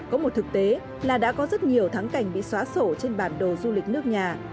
có một thực tế là đã có rất nhiều thắng cảnh bị xóa sổ trên bản đồ du lịch nước nhà